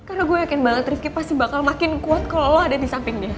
karena gue yakin banget rifki pasti bakal makin kuat kalau lo ada di samping dia